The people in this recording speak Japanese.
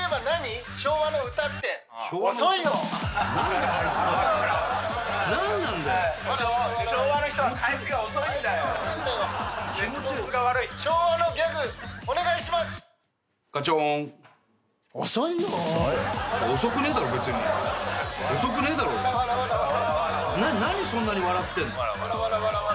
何そんなに笑ってんの？